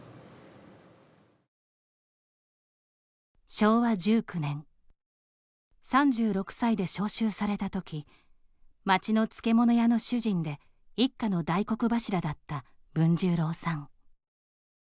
昭和１９年３６歳で召集された時町の漬物屋の主人で一家の大黒柱だった文十郎さん。